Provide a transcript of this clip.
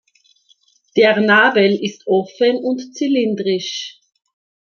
Der Nabel ist offen und zylindrisch.